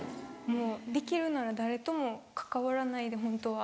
もうできるなら誰とも関わらないで本当は。